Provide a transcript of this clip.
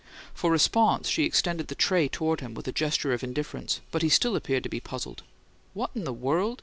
For response, she extended the tray toward him with a gesture of indifference; but he still appeared to be puzzled. "What in the world